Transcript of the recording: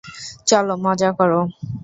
চলো মজা করো।